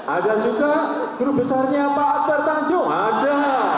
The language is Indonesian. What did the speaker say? ada juga grup besarnya pak akbar tanjung ada